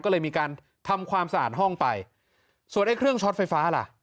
ก็เลยมีการทำความสะอาดห้องไปส่วนไอ้เครื่องช็อตไฟฟ้าล่ะ